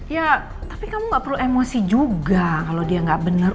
ya tapi kamu nggak perlu emosi juga kalau dia nggak benar